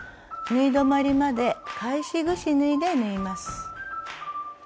縫い止まりまで返しぐし縫いで縫います。